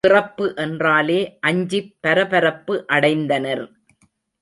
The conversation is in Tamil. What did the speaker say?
பிறப்பு என்றாலே அஞ்சிப் பரபரப்பு அடைந்தனர்.